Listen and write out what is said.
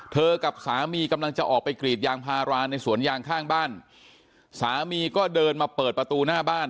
กับสามีกำลังจะออกไปกรีดยางพาราในสวนยางข้างบ้านสามีก็เดินมาเปิดประตูหน้าบ้าน